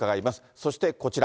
そしてこちら。